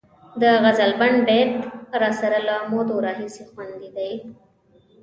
د غزلبڼ بیت راسره له مودو راهیسې خوندي دی.